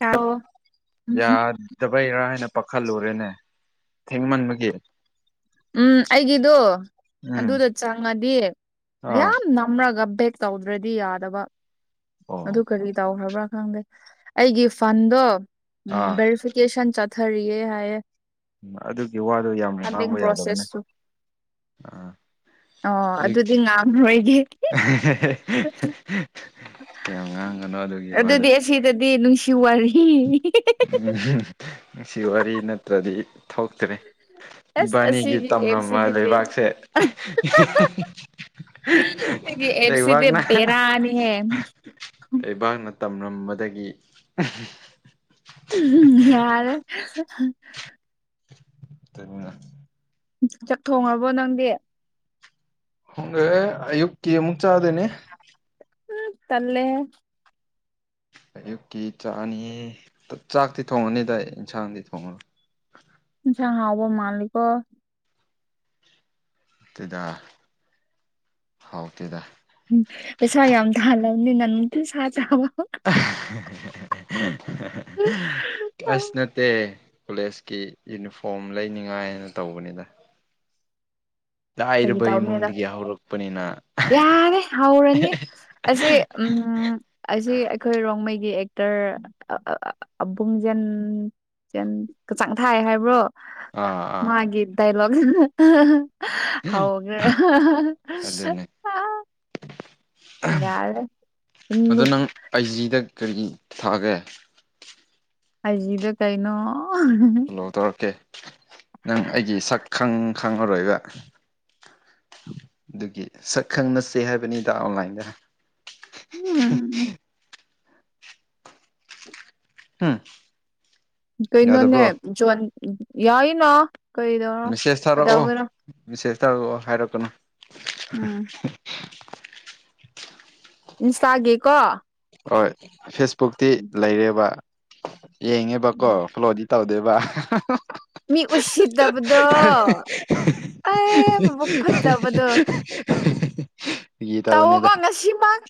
ꯎꯝ ꯌꯥ ꯗꯕꯩꯔꯥ ꯍꯥꯏꯅ ꯄꯥꯈꯠꯂꯨꯔꯦꯅꯦ ꯊꯦꯡꯃꯟꯕꯒꯤ ꯎꯝ ꯑꯩꯒꯤꯗꯨ ꯎꯝ ꯑꯗꯨꯗ ꯆꯪꯉꯗꯤ ꯑꯥ ꯃꯌꯥꯝ ꯅꯥꯞ ꯑꯃꯔꯒ ꯕꯦꯛ ꯇꯧꯗ꯭ꯔꯗꯤ ꯌꯥꯗꯕ ꯑꯣ ꯑꯗꯨ ꯀꯔꯤ ꯇꯧꯈ꯭ꯔꯕ꯭ꯔꯥ ꯈꯪꯗꯦ ꯑꯩꯒꯤ ꯐꯟꯗꯣ ꯎꯝ ꯑꯥ ꯚꯦꯔꯤꯐꯤꯀꯦꯁꯟ ꯆꯠ ꯊꯔꯤꯌꯦ ꯍꯥꯏꯌꯦ ꯎꯝ ꯑꯗꯨꯒꯤ ꯋꯥꯗꯨ ꯌꯥꯝ ꯐꯟꯗꯤꯡ ꯉꯥꯡꯕ ꯌꯥꯗꯕꯅꯦ ꯄ꯭ꯔꯣꯁꯦꯁꯁꯨ ꯑꯥ ꯑꯣ ꯑꯗꯨꯒꯤ ꯑꯗꯨꯗꯤ ꯉꯥꯡꯔꯣꯏꯒꯦ ꯑꯍꯦ ꯍꯦ ꯍꯦ ꯍꯦ ꯍꯦ ꯍꯦ ꯌꯥꯝ ꯉꯥꯡꯒꯅꯨ ꯑꯗꯨ ꯑꯗꯨꯗꯤ ꯑꯁꯤꯗꯗꯤ ꯅꯨꯡꯁꯤ ꯋꯥꯔꯤ ꯍꯤ ꯍꯤ ꯍꯤ ꯍꯤ ꯑꯍꯨꯡ ꯍꯨꯡ ꯅꯨꯡꯁꯤ ꯋꯥꯔꯤ ꯅꯠꯇ꯭ꯔꯗꯤ ꯊꯣꯛꯇ꯭ꯔꯦ ꯑꯁ ꯏꯕꯥꯅꯤꯒꯤ ꯑꯁꯤꯒꯤ ꯇꯝꯔꯝꯃ ꯑꯦꯞꯁꯤꯗꯤ ꯂꯩꯕꯥꯛꯁꯦ ꯑ ꯍꯤ ꯍꯤ ꯍꯤ ꯍꯍ ꯅꯪꯒꯤ ꯑꯦꯞꯁꯤꯗꯤ ꯕꯦꯔꯥꯅꯤꯍꯦ ꯂꯩꯕꯥꯛꯅ ꯇꯝꯔꯝꯕꯗꯒꯤ ꯑꯍ ꯎꯝ ꯍꯨꯝ ꯌꯥꯔꯦ ꯍꯍ ꯍ ꯇꯟꯅ ꯆꯥꯛ ꯊꯣꯡꯉꯕꯣ ꯅꯪꯗꯤ ꯍꯪꯒꯦ ꯑꯌꯨꯛꯀꯤ ꯑꯃꯨꯛ ꯆꯥꯗꯣꯏꯅꯦ ꯇꯜꯦ ꯑꯌꯨꯛꯀꯤ ꯆꯥꯛꯅꯤ ꯆꯥꯛꯇꯤ ꯊꯣꯡꯉꯅꯤꯗ ꯏꯟꯁꯥꯡꯗꯤ ꯊꯣꯡꯉꯔꯣ ꯆ ꯍꯕ ꯃꯥꯜꯀ ꯇꯗ ꯍꯥꯎ ꯇꯗ ꯎꯝ ꯄꯁꯥ ꯌꯥꯝ ꯊꯍꯜꯂꯅꯤ ꯅꯟꯇ ꯁꯥ ꯆꯕ ꯀꯁꯅ ꯇ ꯀꯣꯂꯦꯖꯀꯤ ꯌꯨꯅꯤꯐꯣꯔꯝ ꯂꯩꯅꯤꯉꯥꯏꯅ ꯇꯧꯕꯅꯤꯗ ꯐꯥꯒꯤ ꯂꯥꯏꯔꯕ ꯇꯧꯕꯅꯦꯗ ꯏꯃꯨꯡꯗꯒꯤ ꯍꯧꯔꯛꯄꯅꯤꯅ ꯑꯍ ꯌꯥꯔꯦ ꯑꯍꯦ ꯍꯧꯔꯅꯤ ꯑꯍꯦ ꯑꯁꯤ ꯎꯝ ꯑꯁꯤ ꯑꯩꯈꯣꯏ ꯔꯣꯡꯃꯩꯒꯤ ꯑꯦꯛꯇꯔ ꯑꯥ ꯑꯥ ꯑꯕꯨꯡꯖꯦꯟ ꯖꯦꯟ ꯀꯆꯥꯡ ꯊꯥꯏ ꯍꯥꯏꯕ꯭ꯔꯣ ꯑꯥ ꯑꯥ ꯃꯥꯒꯤ ꯗꯥꯏꯂꯣꯒꯁꯤꯅ ꯑꯍ ꯑꯍ ꯍꯍ ꯍꯧꯒ꯭ꯔꯦ ꯑꯍ ꯑꯍ ꯑꯍ ꯍꯍ ꯑꯍꯝ ꯌꯥꯔꯦ ꯑꯗꯣ ꯅꯨꯡ ꯅꯪ ꯑꯩꯖꯤꯗ ꯀꯔꯤ ꯊꯥꯒꯦ ꯑꯖꯤꯗ ꯀꯥꯏꯩꯅꯣ ꯐꯣꯂꯣ ꯇꯧꯔꯛꯀꯦ ꯅꯪ ꯑꯩꯒꯤ ꯁꯛ ꯈꯪ ꯈꯪꯉꯔꯣꯏꯕ ꯑꯗꯨꯒꯤ ꯁꯛ ꯈꯪꯅꯁꯦ ꯍꯥꯏꯕꯅꯤꯗ ꯑꯣꯟꯂꯥꯏꯟꯗ ꯎꯝ ꯍꯥꯥ ꯀꯩꯅꯣꯅꯦ ꯌꯥꯏꯅꯣ ꯀꯩꯗꯧꯔꯣ ꯀꯗꯥꯧꯒꯅꯣ ꯕꯤꯁꯦꯁ ꯇꯥꯔꯛꯑꯣ ꯍꯥꯏꯔꯛꯀꯅꯨ ꯎꯝ ꯏꯟꯁꯇꯥꯒꯤꯦꯀꯣ ꯍꯣꯏ ꯐꯦꯁꯕꯨꯛꯇꯤ ꯂꯩꯔꯦꯕ ꯎꯝ ꯌꯦꯡꯉꯦꯕꯀꯣ ꯐ꯭ꯂꯣꯗꯤ ꯇꯧꯗꯦꯕ [inaudible] ꯃꯤ ꯎꯁꯤꯠꯇꯕꯗꯣ ꯑꯩ ꯃꯕꯨꯛ ꯐꯠꯇꯕꯗꯣ ꯒꯤ ꯒꯤ ꯇ ꯇꯧꯋꯣꯀꯣ ꯑꯣꯅꯦꯗ ꯉꯁꯤꯃꯛ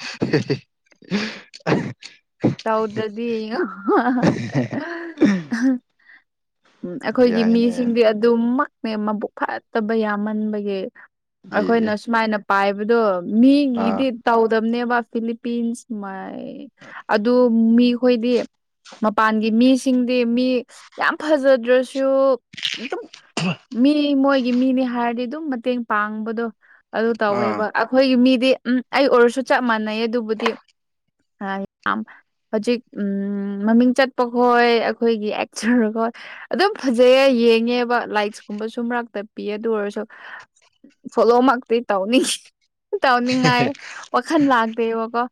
[inaudible] ꯇꯧꯔꯗꯗꯤ ꯎꯝ ꯑꯩꯈꯣꯏꯒꯤ ꯌꯥꯏꯅꯦ ꯃꯤꯁꯤꯡꯗꯤ ꯑꯗꯨꯝꯃꯛꯅꯦ ꯃꯕꯨꯛ ꯐꯠꯇꯕ ꯌꯥꯝꯃꯟꯕꯒꯤ ꯑꯩꯈꯣꯏꯅ ꯌꯦ ꯁꯨꯃꯥꯏꯅ ꯄꯥꯏꯕꯗꯣ ꯑꯥ ꯃꯤꯒꯤꯗꯤ ꯇꯧꯗꯝꯕꯅꯦꯕ ꯐꯤꯂꯤꯄꯤꯟꯁ ꯃꯥꯏ ꯑꯗꯨ ꯃꯤꯈꯣꯏꯗꯤ ꯃꯄꯥꯟꯒꯤ ꯃꯤꯁꯤꯡꯗꯤ ꯃꯤ ꯌꯥꯝ ꯐꯖꯗ꯭ꯔꯁꯨ ꯑꯗꯨꯝ ꯃꯤ ꯃꯣꯏꯒꯤ ꯃꯤꯅꯤ ꯍꯥꯏꯔꯗꯤ ꯑꯗꯨꯝ ꯃꯇꯦꯡ ꯄꯥꯡꯕꯗꯣ ꯑꯗꯨ ꯑꯥ ꯇꯧꯋꯦꯕ ꯑꯩꯈꯣꯏꯒꯤ ꯃꯤꯗꯤ ꯎꯝ ꯑꯩ ꯑꯣꯏꯔꯁꯨ ꯆꯞ ꯃꯥꯟꯅꯩ ꯑꯗꯨꯕꯨꯗꯤ ꯍꯧꯖꯤꯛ ꯃꯃꯤꯡ ꯆꯠꯄ ꯈꯣꯏ ꯑꯩꯈꯣꯏꯒꯤ ꯑꯦꯛꯆꯔꯈꯣꯏ ꯑꯗꯨꯝ ꯐꯖꯩꯌꯦ ꯌꯦꯡꯉꯦꯕ ꯂꯥꯏꯛꯁꯀꯨꯝꯕꯁꯨ ꯃꯛꯛꯇꯄꯤ ꯑꯗꯨ ꯑꯣꯏꯔꯁꯨ ꯐꯣꯂꯣ ꯃꯥꯇ ꯇꯥꯎꯅꯤ ꯇꯧꯅꯤꯡꯉꯥꯏ ꯋꯥꯈꯜ ꯂꯥꯛꯇꯦꯕꯀꯣ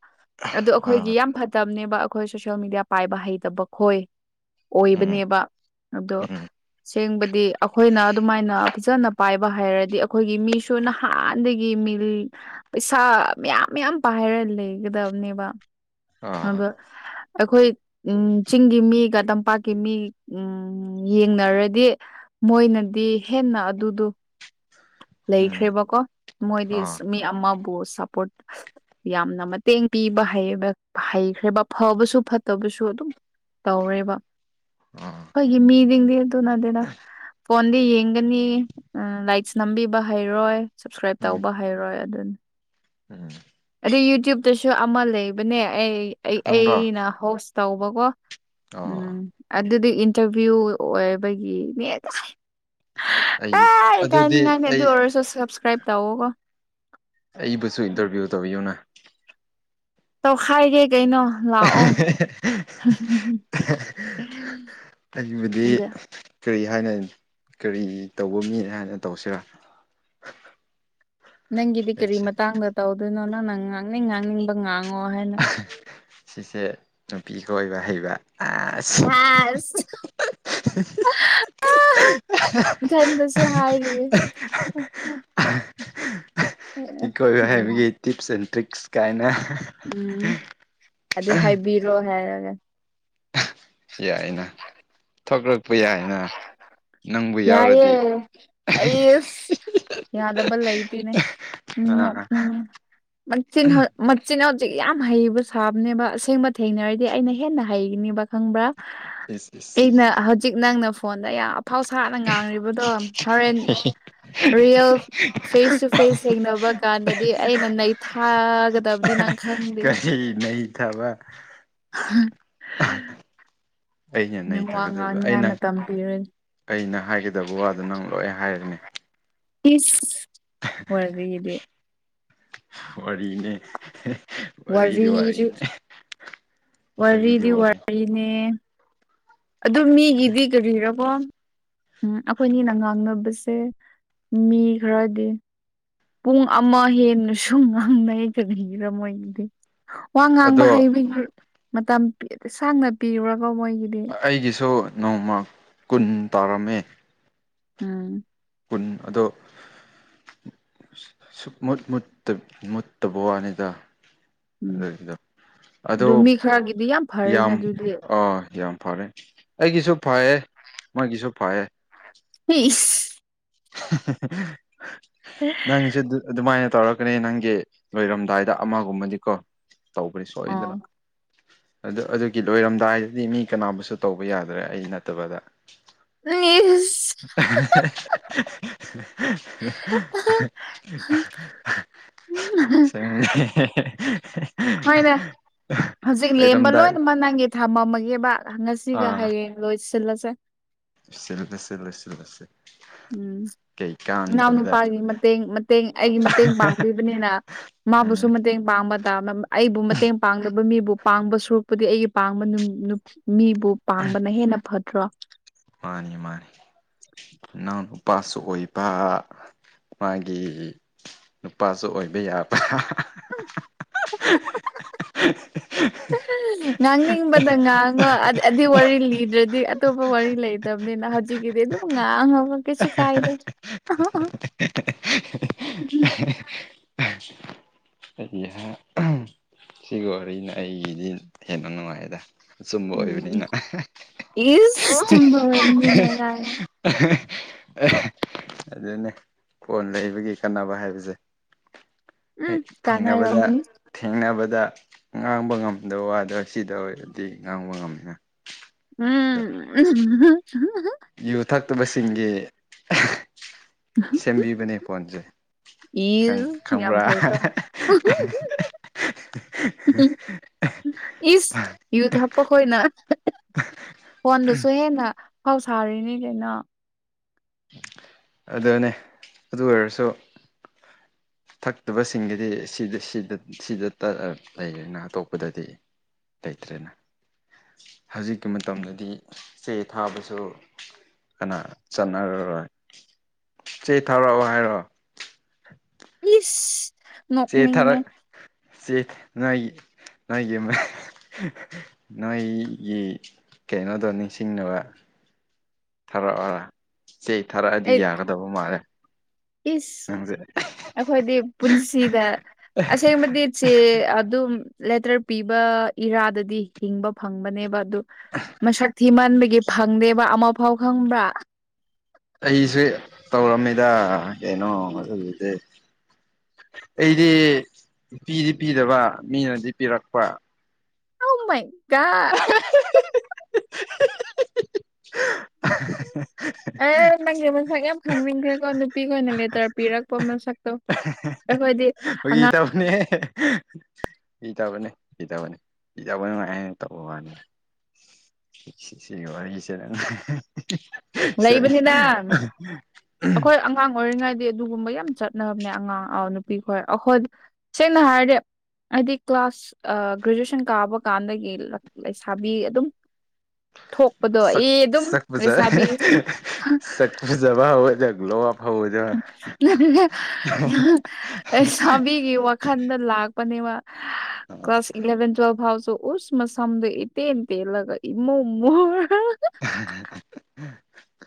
ꯑꯗꯨ ꯑꯩꯈꯣꯏꯒꯤ ꯑꯥ ꯌꯥꯝ ꯐꯠꯇꯕꯅꯦꯕ ꯑꯩꯈꯣꯏ ꯁꯣꯁꯦꯜ ꯃꯦꯗꯤꯌꯥ ꯄꯥꯏꯕ ꯍꯩꯇꯕ ꯈꯣꯏ ꯎꯝ ꯑꯣꯏꯕꯅꯦꯕ ꯑꯗꯣ ꯎꯝ ꯁꯦꯡꯕꯗꯤ ꯑꯩꯈꯣꯏꯅ ꯑꯗꯨꯃꯥꯏꯅ ꯐꯖꯅ ꯄꯥꯏꯕ ꯍꯥꯏꯔꯗꯤ ꯑꯩꯈꯣꯏꯒꯤ ꯃꯤꯁꯨ ꯅꯍꯥꯟꯗꯒꯤ ꯃꯤꯜ ꯄꯩꯁꯥ ꯃꯌꯥꯝ ꯃꯌꯥꯝ ꯄꯥꯏꯔ ꯂꯩꯒꯗꯕꯅꯦꯕ ꯑꯥ ꯑꯗ ꯑꯩꯈꯣꯏ ꯎꯝ ꯆꯤꯡꯒꯤ ꯃꯤꯒ ꯇꯝꯄꯥꯛꯀꯤ ꯃꯤ ꯎꯝ ꯌꯦꯡꯅꯔꯗꯤ ꯃꯣꯏꯅꯗꯤ ꯍꯦꯟꯅ ꯑꯗꯨꯗꯣ ꯎꯝ ꯂꯩꯈ꯭ꯔꯦꯕꯀꯣ ꯃꯣꯏꯗꯤ ꯑꯥ ꯃꯤ ꯑꯃꯕꯨ ꯁꯞꯄꯣꯔꯠ ꯌꯥꯝꯅ ꯃꯇꯦꯡ ꯄꯤꯕ ꯍꯩꯈ꯭ꯔꯦꯕ ꯐꯕꯁꯨ ꯐꯠꯇꯕꯁꯨ ꯑꯗꯨꯝ ꯇꯧꯔꯦꯕ ꯑ ꯑꯩꯈꯣꯏꯒꯤ ꯃꯤꯁꯤꯡꯗꯤ ꯑꯗꯨꯅꯠꯇꯦꯗ ꯐꯣꯟꯗ ꯌꯦꯡꯒꯅꯤ ꯂꯥꯏꯛꯁ ꯅꯝꯕꯤꯕ ꯍꯩꯔꯣꯏ ꯁꯞꯁꯀ꯭ꯔꯥꯏꯞ ꯎꯝ ꯇꯧꯕ ꯍꯩꯔꯣꯏ ꯑꯗꯨꯅꯤ ꯎꯝ ꯑꯗ ꯌꯨꯇ꯭ꯌꯨꯕꯇꯁꯨ ꯑꯃ ꯂꯩꯕꯅꯦ ꯑꯩ ꯅꯪꯔꯣ ꯑꯩꯅ ꯍꯣꯁ ꯇꯧꯕꯀꯣ ꯑꯣ ꯎꯝ ꯑꯗꯨꯗꯤ ꯏꯟꯇꯔꯚꯤꯌꯨ ꯑꯣꯏꯕꯒꯤꯅꯦ ꯑ ꯑꯩ ꯀꯥꯏ ꯀꯥꯏ ꯑꯗꯨꯗꯤ ꯑꯩ ꯑꯣꯏꯔꯁꯨ ꯁꯕꯁꯀ꯭ꯔꯥꯏꯕ ꯇꯎꯒꯣ ꯑꯩꯕꯨꯁꯨ ꯏꯟꯇꯔꯚꯤꯌꯨ ꯇꯧꯕꯤꯌꯨꯅ ꯇꯧꯈꯥꯏꯒꯦ ꯀꯩꯅꯣ ꯂꯥꯛꯑꯣ ꯑꯩꯕꯨꯗꯤ ꯑꯗ ꯀꯔꯤ ꯍꯥꯏꯅ ꯀꯔꯤ ꯇꯧꯕ ꯃꯤ ꯍꯥꯏꯅ ꯇꯧꯁꯤꯔꯥ ꯅꯪꯒꯤꯗꯤ ꯀꯔꯤ ꯑꯩꯁꯦ ꯃꯇꯥꯡꯗ ꯇꯧꯗꯣꯏꯅꯣ ꯅꯪꯅ ꯉꯥꯡꯅꯤꯡ ꯉꯥꯡꯅꯤꯡꯕ ꯉꯥꯡꯉꯣ ꯍꯥꯏꯅ ꯁꯤꯁꯦ ꯅꯨꯄꯤꯒꯣꯏꯕ ꯍꯩꯕ ꯑ ꯑꯁ ꯑꯍ ꯆꯁꯨ ꯍꯥꯏ [unintelligible] ꯏ ꯀꯣꯏꯕ ꯍꯩꯕꯒꯤ ꯇꯤꯞꯁ ꯑꯦꯟ ꯇ꯭ꯔꯤꯛꯁ ꯀꯥꯏꯅ ꯎꯝ ꯑꯗꯨ ꯍꯥꯏꯕꯤꯔꯣ ꯍꯥꯏꯔꯒ ꯌꯥꯏꯅ ꯊꯣꯛꯂꯛꯄ ꯌꯥꯏꯅ ꯅꯪꯕꯨ ꯌꯥꯏꯌꯦ ꯌꯥꯎꯔꯗꯤ ꯑꯩꯁ ꯌꯥꯗꯕ ꯂꯩꯇꯦꯅꯦ ꯑꯥ ꯅꯣꯛꯅꯤꯡꯉꯦ ꯍꯧꯖꯤꯛꯃꯛ ꯃꯆꯤꯟꯒꯛꯁꯤ ꯌꯥꯝ ꯍꯩꯕ ꯁꯥꯕꯅꯦꯕ ꯑꯁꯦꯡꯕ ꯊꯦꯡꯅꯔꯗꯤ ꯑꯩꯅ ꯍꯦꯟꯅ ꯍꯩꯅꯤꯕ ꯈꯪꯕ꯭ꯔꯥ ꯏꯁ ꯏꯁ ꯑꯩꯅ ꯍꯧꯖꯤꯛ ꯅꯪꯅ ꯐꯣꯟꯗ ꯌꯥꯝ ꯑꯐꯥꯎ ꯁꯥꯅ ꯉꯥꯡꯔꯤꯕꯗꯣ ꯍꯣꯔꯦꯟ ꯔꯤꯌꯦꯜ ꯐꯦꯁ ꯇꯨ ꯐꯦꯁ ꯊꯦꯡꯅꯕ ꯀꯥꯟꯗꯗꯤ ꯑꯩꯅ ꯅꯩꯊꯥꯒꯗꯕꯗꯤ ꯅꯪ ꯈꯪꯗꯦ ꯀꯩ ꯅꯩꯊꯕ ꯑꯩꯅ ꯅꯪ ꯋꯥ ꯅꯩꯊꯥꯒꯗꯕ ꯉꯥꯡꯅꯤꯉꯥꯏ ꯑꯩꯅ ꯃꯇꯝ ꯄꯤꯔꯅꯤ ꯑꯩꯅ ꯍꯥꯏꯒꯗꯕ ꯋꯥꯗꯣ ꯅꯪ ꯂꯣꯏ ꯍꯥꯏꯔꯦꯅꯦ ꯏꯁ ꯋꯥꯔꯤꯗꯤ ꯋꯥꯔꯤꯅꯦ ꯋꯥꯔꯤꯗꯤ ꯋꯥꯔꯤꯗꯤ ꯋꯥꯔꯤꯅꯦ ꯑꯗꯨ ꯃꯤꯒꯤꯗꯤ ꯀꯔꯤꯔꯀꯣ ꯎꯝ ꯑꯩꯈꯣꯏꯅꯤꯅ ꯉꯥꯡꯅꯕꯁꯦ ꯃꯤ ꯈꯔꯗꯤ ꯄꯨꯡ ꯑꯃ ꯍꯦꯟꯅꯁꯨ ꯉꯥꯡꯅꯩ ꯀꯕꯤꯔꯝꯃꯣꯏꯒꯤꯗꯤ ꯋꯥ ꯉꯥꯡꯕ ꯑꯗꯣ ꯍꯩꯕꯒꯤ ꯃꯇꯝ ꯑ ꯁꯥꯡꯅ ꯄꯤꯕ꯭ꯔꯀꯣ ꯃꯣꯏꯒꯤꯗꯤ ꯑꯩꯒꯤꯁꯨ ꯅꯣꯡꯃ ꯀꯨꯟ ꯇꯧꯔꯝꯃꯦ ꯎꯝ ꯀꯨꯟ ꯑꯗꯣ ꯁꯨꯨꯃꯨꯠ ꯃꯨꯠꯇ-ꯃꯨꯠꯇꯕ ꯋꯥꯅꯤꯗ ꯎꯝ ꯑꯗꯨꯒꯤꯗꯣ ꯑꯗꯣ ꯑꯗꯨ ꯃꯤ ꯈꯔꯒꯤꯗꯤ ꯐꯔꯦꯅ ꯌꯥꯝ ꯑꯗꯨꯗꯤ ꯑ ꯌꯥꯝ ꯐꯔꯦ ꯑꯩꯒꯤꯁꯨ ꯐꯌꯦ ꯃꯣꯏꯒꯤꯁꯨ ꯐꯌꯦ ꯏꯁ ꯅꯪꯁꯨꯗꯨ ꯑꯗꯨꯃꯥꯏꯅ ꯇꯧꯔꯛꯀꯅꯤ ꯅꯪꯒꯤ ꯂꯣꯏꯔꯝꯗꯥꯏꯗ ꯑꯃꯒꯨꯝꯕꯗꯤꯀꯣ ꯇꯧꯕꯅꯤ ꯑꯣ ꯁꯣꯏꯗꯅ ꯑꯗꯨ ꯑꯗꯨꯒꯤ ꯂꯣꯏꯔꯝꯗꯥꯏꯗꯗꯤ ꯃꯤ ꯀꯅꯥꯕꯨꯁꯨ ꯇꯧꯕ ꯌꯥꯗ꯭ꯔꯦ ꯑꯩ ꯅꯠꯇꯕꯗ ꯢꯁ [unintelligible] [unintelligible] ꯍꯣꯏꯅꯦ ꯍꯧꯖꯤꯛ ꯂꯦꯝꯕ ꯂꯩꯔꯝꯗꯥꯏ ꯂꯣꯏꯅ ꯃꯟ ꯅꯪꯒꯤ ꯊꯝꯃꯝꯃꯒꯦꯕ ꯉꯁꯤꯒ ꯍꯥꯏꯌꯦ ꯂꯣꯏꯁꯤꯜꯂꯁꯦ꯫ ꯂꯣꯏꯁꯤꯜ ꯂꯥꯁꯦ ꯂꯣꯏꯁꯤꯜ ꯂꯥꯁꯦ꯫ ꯎꯝ ꯏꯅꯥꯎ ꯅꯨꯄꯥꯒꯤ ꯃꯇꯦꯡ ꯃꯇꯦꯡ ꯑꯩꯒꯤ ꯃꯇꯦꯡ ꯄꯥꯡꯕꯤꯕꯅꯤꯅ꯫ ꯃꯥꯕꯨꯁꯨ ꯎꯝ ꯃꯇꯦꯡ ꯄꯥꯡꯕ ꯇꯥꯕ ꯑꯩꯕꯨ ꯃꯇꯦꯡ ꯄꯥꯡꯗꯕ ꯃꯤꯕꯨ ꯄꯥꯡꯕ ꯁꯨꯔꯛꯄꯗꯤ ꯑꯩꯒꯤ ꯄꯥꯡꯕ ꯅꯨꯞ ꯃꯤꯕꯨ ꯄꯥꯡꯕꯅ ꯍꯦꯟꯅ ꯐꯠꯇ꯭ꯔꯣ꯫ ꯃꯥꯅꯤ ꯃꯥꯅꯤ ꯏꯅꯥꯎ ꯅꯨꯄꯥꯁꯨ ꯑꯣꯏꯕ꯫ ꯃꯥꯒꯤ ꯅꯨꯄꯥꯁꯨ ꯑꯣꯏꯕ ꯌꯥꯕ꯫ [unintelligible] ꯉꯥꯡꯅꯤꯡꯕꯗ ꯉꯥꯡꯉꯣ ꯑꯗꯨ ꯋꯥꯔꯤ ꯂꯤꯗ꯭ꯔꯗꯤ ꯑꯇꯣꯞꯄ ꯋꯥꯔꯤ ꯂꯩ ꯑꯗꯨꯝꯅꯤꯅ ꯍꯖꯤꯛꯀꯤꯗꯤ ꯑꯗꯨꯝ ꯉꯥꯡꯉꯣ ꯀꯁꯨ ꯀꯥꯏꯗꯦ [inaudible] ꯑꯍꯝ ꯅ ꯑꯩꯒꯤꯗꯤ ꯅꯅꯨꯡꯉꯥꯏꯗ ꯁꯨꯝꯕ ꯎꯝ ꯑꯣꯏꯕꯅꯤꯅ ꯏꯁ ꯆꯨꯝꯕ ꯋꯥꯔꯤꯅꯤꯅ ꯀꯥꯏꯅ ꯑ ꯑꯗꯨꯅꯦ ꯂꯩꯕꯒꯤ ꯀꯥꯟꯅꯕ ꯍꯥꯏꯕꯁꯦ ꯎꯝ ꯍꯦꯛ ꯊꯦꯡꯅꯕꯗ꯫ ꯀꯥꯟꯅꯔꯝꯃꯅꯤ ꯊꯦꯡꯅꯕꯗ ꯉꯥꯡꯕ ꯉꯝꯗꯕ ꯋꯥꯗ ꯁꯤꯗ ꯑꯣꯏꯔꯗꯤ ꯉꯥꯡꯕ ꯉꯝꯃꯦꯅ꯫ ꯎꯝ [unintelligible] ꯌꯨ ꯊꯛꯇꯕꯁꯤꯡꯒꯤ ꯁꯦꯝꯕꯤꯕꯅꯦ ꯐꯣꯟꯁꯦ꯫ ꯈꯪ ꯏꯁ ꯌꯥꯝ ꯈꯪꯕ꯭ꯔꯥ꯫ ꯐꯩꯀꯣ ꯏꯁ ꯌꯨ ꯍꯥꯞꯄ ꯈꯣꯏꯅ ꯐꯣꯟꯗꯨꯁꯨ ꯍꯦꯟꯅ꯫ ꯐꯥꯎ ꯁꯥꯔꯤꯅꯤ ꯀꯩꯅꯣ꯫ ꯑꯗꯨꯅꯦ ꯑꯗꯨ ꯑꯣꯏꯔꯁꯨ꯫ ꯊꯛꯇꯕꯁꯤꯡꯒꯤꯗꯤ ꯁꯤꯗ ꯁꯤꯗ ꯁꯤꯗꯇ ꯂꯩꯔꯦꯅ ꯑꯇꯣꯞꯄꯗꯗꯤ ꯂꯩꯇ꯭ꯔꯦꯅ꯫ ꯍꯧꯖꯤꯛꯀꯤ ꯃꯇꯝꯗꯗꯤ ꯆꯦ ꯊꯥꯕꯁꯨ ꯀꯅꯥ ꯆꯠ ꯅꯔꯔꯣꯏ ꯆꯦ ꯊꯥꯎꯔꯛꯑꯣ ꯍꯥꯏꯔꯣ꯫ ꯏꯁ꯫ ꯆꯦ ꯅꯣꯛꯅꯤꯡꯉꯦ ꯊꯔꯛ ꯆꯦ ꯅꯣꯏꯒꯤ꯫ ꯅꯣꯏꯒꯤ ꯅꯣꯏꯒꯤ꯫ ꯀꯩꯅꯣꯗꯣ ꯅꯤꯡꯁꯤꯡꯅꯕ ꯊꯥꯔꯛꯑꯣꯔ꯫ ꯆꯦ ꯊꯥꯔꯛꯑꯗꯤ ꯑꯩ ꯌꯥꯒꯗꯕ ꯃꯥꯜꯂꯦ꯫ ꯏꯁ ꯅꯪꯁꯦ ꯑꯩꯈꯣꯏꯗꯤ ꯄꯨꯟꯁꯤꯗ ꯑꯁꯦꯡꯕꯗꯤ ꯆꯦ ꯑꯗꯨꯝ ꯂꯦꯇꯔ ꯄꯤꯕ ꯏꯔꯥꯗꯗꯤ ꯍꯤꯡꯕ ꯐꯪꯕꯅꯦꯕ꯫ ꯑꯗꯨ ꯃꯁꯛ ꯊꯤ ꯃꯟꯕꯒꯤ ꯐꯪꯗꯦꯕ ꯑꯃꯐꯥꯎ ꯈꯪꯕ꯭ꯔꯥ꯫ ꯑꯩꯁꯨ ꯇꯧꯔꯝꯃꯤꯗ ꯀꯩꯅꯣ ꯑꯗꯨꯒꯤꯗꯤ꯫ ꯑꯩꯗꯤ ꯅꯨꯄꯤꯗꯤ ꯄꯤꯗꯕ ꯃꯤꯅꯗꯤ ꯄꯤꯔꯛꯄ꯫ ꯑꯣꯃꯥꯏ ꯒꯣꯠ꯫ [unintelligible] ꯑꯦ ꯅꯪꯒꯤ ꯃꯁꯛ ꯌꯥꯝ ꯈꯪꯅꯤꯡꯈ꯭ꯔꯦꯀꯣ ꯅꯨꯄꯤꯈꯣꯏꯅ ꯂꯦꯇꯔ ꯄꯤꯔꯛꯄ ꯃꯁꯛꯇꯣ꯫ ꯑꯩꯈꯣꯏꯗꯤ꯫ ꯐꯥꯒꯤ ꯇꯧꯕꯅꯦꯍꯦ꯫ ꯏꯤꯗꯕꯅꯤ ꯏꯤꯗꯕꯅꯤ ꯏꯤꯗꯕ ꯅꯨꯡꯉꯥꯏ ꯍꯥꯏꯅ ꯇꯧꯕ ꯋꯥꯅꯤ꯫ ꯁꯤ ꯁꯤꯒꯤ ꯋꯥꯔꯤꯁꯦ꯫ ꯂꯩꯕꯅꯤꯅ ꯑꯩꯈꯣꯏ [unintelligible] ꯑꯉꯥꯡ ꯑꯣꯏꯔꯤꯉꯩꯗꯤ ꯑꯗꯨꯒꯨꯝꯕ ꯌꯥꯝ ꯆꯠꯅꯕꯅꯦ ꯑꯉꯥꯡ ꯅꯨꯄꯤ ꯈꯣꯏ ꯑꯩꯈꯣꯏ ꯁꯦꯡꯅ ꯍꯥꯏꯔꯗꯤ꯫ ꯍꯥꯏꯗꯤ ꯀ꯭ꯂꯥꯁ ꯒ꯭ꯔꯦꯖꯨꯑꯦꯁꯟ ꯀꯥꯕ ꯀꯥꯟꯗꯒꯤ ꯂꯩꯁꯥꯕꯤ ꯑꯗꯨꯝ ꯊꯣꯛꯄꯗꯣ ꯁꯛ ꯑꯦ ꯑꯗꯨꯝ ꯂꯩꯁꯥꯕꯤ ꯁꯛꯄꯨ ꯕ ꯑꯣꯏ ꯖꯒꯂꯣ ꯁꯕꯤ [unintelligible] ꯋꯥꯈꯟꯗ ꯂꯥꯛꯄꯅꯦꯕ ꯏꯂꯕꯦꯟ ꯇ꯭ꯋꯦꯜ ꯍꯥꯎꯁꯨꯣ ꯎꯁ ꯃꯁꯝꯗꯣ ꯏꯇꯦꯜ ꯇꯦꯂꯒ ꯏꯃꯨ ꯃꯨꯔꯒ [inaudible]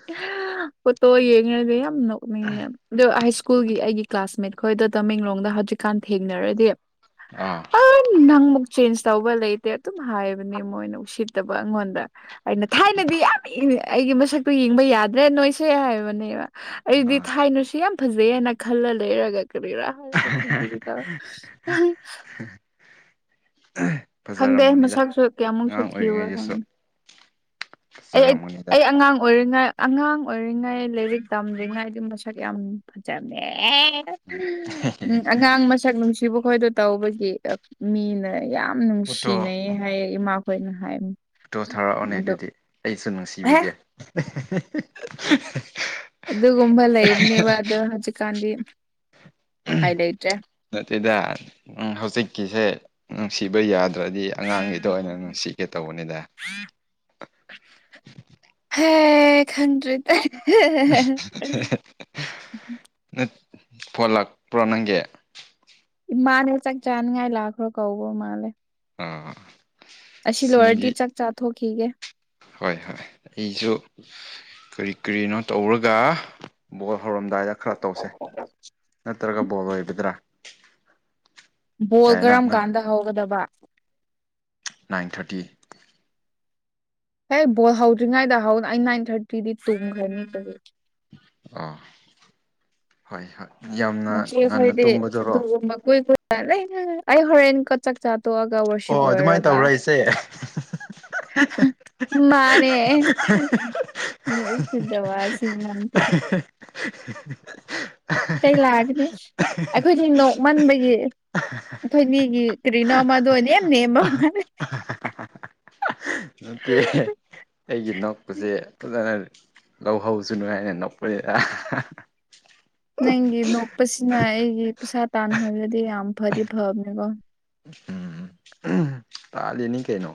ꯐꯣꯇꯣ ꯌꯦꯉꯦ ꯌꯥꯝ ꯅꯣꯛ [unintelligible] ꯁ꯭ꯀꯨꯜꯒꯤ ꯑꯩꯒꯤ ꯀ꯭ꯂꯥꯁꯃꯦꯠ ꯈꯣꯏꯗ ꯇꯃꯦꯡꯂꯣꯡꯗ ꯍꯧꯖꯤꯛꯀꯥꯟ ꯊꯦꯡꯅꯔꯗꯤ ꯑꯥ ꯑ ꯅꯪꯃꯛ ꯆꯦꯟꯖ ꯇꯧꯕ ꯂꯩꯇꯦ ꯑꯗꯨꯝ ꯍꯥꯏꯕꯅꯦ ꯃꯣꯏꯅ ꯎꯁꯤꯠꯇꯕ ꯑꯩꯉꯣꯟꯗ꯫ ꯑꯩꯅ ꯊꯥꯏꯅꯗꯤ ꯌꯥꯝ ꯏꯪꯉ ꯑꯩꯒꯤ ꯃꯁꯛ ꯇꯨ ꯌꯦꯡꯕ ꯌꯥꯗ꯭ꯔꯦ ꯅꯣꯏꯁꯦ ꯍꯥꯏꯕꯅꯦꯕ ꯑꯩꯗꯤ ꯑꯥ ꯊꯥꯏꯅꯨꯁꯤ ꯌꯥꯝ ꯐꯖꯩ ꯍꯥꯏꯅ ꯈꯜꯂ ꯂꯩꯔꯒ ꯀꯔꯤꯔꯥ ꯍꯥꯏꯔꯒ ꯐꯥꯒꯤꯒ ꯇꯧꯔ꯫ [unintelligible] ꯈꯪꯗꯦ ꯃꯁꯛꯁꯨ ꯀꯌꯥꯃꯨꯛꯁꯨ ꯑꯉꯥꯡ ꯊꯤꯕꯨꯔ ꯑꯣꯏꯔꯤꯉꯩꯗꯁꯨ ꯈꯪꯗꯦ꯫ ꯑꯩ ꯐꯖꯔꯝꯒꯅꯤꯗ ꯑꯩ ꯑꯉꯥꯡ ꯑꯣꯏꯔꯤꯉ ꯑꯉꯥꯡ ꯑꯣꯏꯔꯤꯉꯩ ꯂꯥꯏꯔꯤꯛ ꯇꯝꯔꯤꯉꯩ ꯗꯤ ꯃꯁꯛ ꯌꯥꯝ ꯐꯖꯕꯅꯦ꯫ ꯎꯝ ꯑꯉꯥꯡ ꯃꯁꯛ ꯅꯨꯡꯁꯤꯕ ꯈꯣꯏꯗꯣ ꯇꯧꯕꯒꯤ ꯃꯤꯅ ꯌꯥꯝ ꯐꯣꯇꯣ ꯅꯨꯡꯁꯤꯅꯩ ꯍꯥꯏꯌꯦ ꯏꯃꯥꯈꯣꯏꯅ ꯍꯥꯏ ꯐꯇꯣ ꯊꯥꯔꯛꯑꯣꯅꯦ ꯑꯗꯨꯗꯤ ꯑꯩꯁꯨ ꯍꯦ ꯅꯨꯡꯁꯤꯕꯤꯒꯦ ꯑꯗꯨꯒꯨꯝꯕ ꯂꯩꯕꯅꯦꯕ ꯑꯗꯣ ꯍꯧꯖꯤꯛꯀꯥꯟꯗꯤ ꯎꯄꯥꯏ ꯂꯩꯇ꯭ꯔꯦ ꯅꯠꯇꯗ ꯍꯧꯖꯤꯛꯀꯤꯁꯦ ꯅꯨꯡꯁꯤꯕ ꯌꯥꯗ꯭ꯔꯗꯤ ꯑꯉꯥꯡꯒꯤꯗꯣ ꯑꯣꯏꯅ ꯝ ꯁꯤꯛꯀꯦ ꯇꯧꯕꯅꯤꯗ ꯍꯦ ꯈꯪꯗ꯭ꯔꯦ ꯐꯣꯟ ꯂꯥꯛꯄ꯭ꯔꯣ ꯅꯪꯒꯤ ꯏꯃꯥꯅꯦ ꯆꯥꯛ ꯆꯥꯅꯤꯡꯉꯥꯏ ꯂꯥꯛꯈ꯭ꯔꯣ ꯀꯧꯕ ꯃꯥꯜꯂꯦ ꯑꯥ ꯑꯁꯤ ꯂꯣꯏꯔꯗꯤ ꯃꯤꯗꯤ ꯆꯥꯛ ꯆꯥꯊꯣꯛꯈꯤꯒꯦ ꯍꯣꯏ ꯍꯣꯏ ꯑꯩꯁꯨ ꯀꯔꯤ ꯀꯔꯤꯅꯣ ꯇꯧꯔꯒ ꯕꯣꯜ ꯍꯧꯔꯝꯗꯥꯏꯗ ꯈꯔ ꯇꯧꯁꯦ [unintelligible] ꯅꯠꯇ꯭ꯔꯒ ꯕꯣꯜ ꯑꯣꯏꯒꯗ꯭ꯔꯥ ꯕꯣꯜ ꯀꯔꯝ ꯀꯥꯟꯗ ꯍꯧꯒꯗꯕ ꯅꯥꯏꯟ ꯊꯥꯔꯇꯤ ꯑꯦ ꯕꯣꯜ ꯍꯧꯗ꯭ꯔꯤꯉꯩꯗ ꯍꯧꯅ ꯑꯩ ꯅꯥꯏꯟ ꯊꯥꯔꯇꯤꯗꯤ ꯇꯨꯝꯈ꯭ꯔꯅꯤ ꯑ ꯍꯣꯏ ꯍꯣꯏ ꯌꯥꯝꯅ ꯃ ꯀꯦ ꯉꯟꯅ ꯇꯨꯝꯕꯗꯨꯔꯣ ꯐꯣꯏꯗꯤꯦ ꯀꯣꯏ ꯀ ꯑꯩ ꯍꯔꯦꯟꯦꯟ ꯀ ꯆ ꯆꯥꯇꯣꯛꯑꯒ ꯋꯔꯁꯤꯞ ꯑꯣ ꯑꯗꯨꯃꯥꯏꯅ ꯂꯣꯏꯔꯒ ꯇꯧꯔ ꯑꯩꯁꯦ ꯃꯥꯅꯦ ꯁꯤꯗ ꯋꯥ ꯁꯤꯃ [unintelligible] [unintelligible] ꯀꯩ ꯂꯥꯛꯑꯒꯅꯤ ꯑꯩꯈꯣꯏ ꯅꯣꯛꯃꯟꯕꯒꯤ ꯑꯩꯈꯣꯏ ꯃꯤꯒꯤ ꯀꯔꯤꯅꯣ ꯑꯃꯗꯣ ꯅꯦꯝ ꯅꯦꯝꯕ ꯃꯥꯂꯦ ꯅꯠꯇꯦ ꯑꯩꯒꯤ ꯅꯛꯄꯁꯦ ꯐꯖꯅ ꯂꯧꯍꯧꯁꯨꯅꯨ ꯍꯥꯏꯅꯦ ꯅꯄꯔꯤꯗ ꯅꯪꯒꯤ ꯅꯣꯛꯄꯁꯤꯅ ꯑꯩꯒꯤ ꯄꯩꯁꯥ ꯇꯥꯟꯅꯍꯕꯗꯤ ꯌꯥꯝ ꯐꯗꯤ ꯐꯕꯅꯦꯀꯣ ꯎꯝ ꯇꯥꯜꯂꯤꯅꯤ ꯀꯩꯅꯣ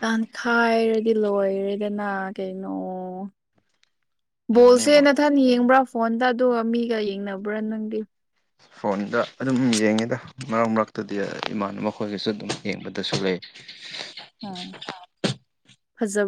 ꯇꯥꯟꯈꯥꯏꯔꯗꯤ ꯂꯣꯏꯔꯦꯗꯅ ꯀꯩꯅꯣ ꯃꯣꯔꯅꯤ ꯕꯣꯜꯁꯦ ꯃꯣꯔꯅꯤ ꯅꯊꯟ ꯌꯦꯡꯕ꯭ꯔꯥ ꯐꯣꯟꯗ ꯑꯗꯨꯒ ꯃꯤꯒ ꯌꯦꯡꯅꯕ꯭ꯔꯥ ꯅꯪꯗꯤ ꯐꯣꯟꯗ ꯑꯗꯨꯝ ꯌꯦꯡꯉꯤꯗ ꯃꯔꯛ ꯃꯔꯛꯇꯗꯤ ꯏꯃꯥꯟꯅꯕ ꯃꯈꯣꯏꯒꯁꯨ ꯑꯗꯨꯝ ꯌꯦꯡꯕꯗꯁꯨ ꯂꯩ ꯑꯥ ꯐꯖꯕ